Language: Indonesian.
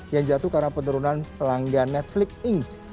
yang jatuh karena penurunan pelanggan netflix inch